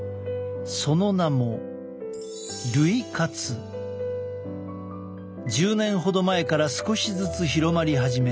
その名も１０年ほど前から少しずつ広まり始め